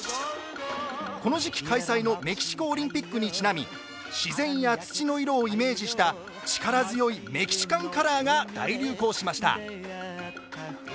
この時期開催のメキシコオリンピックにちなみ自然や土の色をイメージした力強いメキシカンカラーが大流行しました。